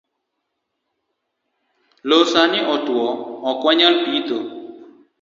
Loo sani otuo ok wanyal pitho